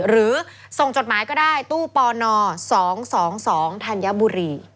หรือส่งจดหมายก็ได้ตู้ปน๒๒๒ธัญบุรี